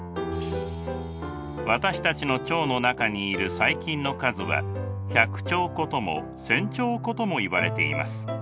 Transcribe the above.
私たちの腸の中にいる細菌の数は１００兆個とも１，０００兆個ともいわれています。